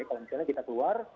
kalau misalnya kita keluar